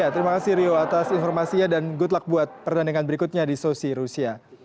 terima kasih rio atas informasinya dan good luck buat pertandingan berikutnya di sosi rusia